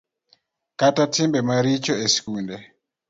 Kata timbe maricho e sikunde